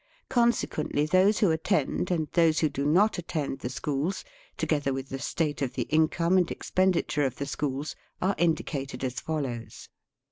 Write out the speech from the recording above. Conse quently those who attend, and those who do not attend, the schools, together with the state of the income and expenditure of the schools, are indicated as follows.